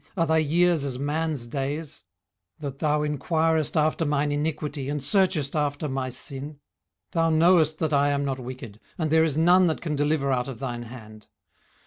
are thy years as man's days, 18:010:006 That thou enquirest after mine iniquity, and searchest after my sin? 18:010:007 Thou knowest that I am not wicked; and there is none that can deliver out of thine hand.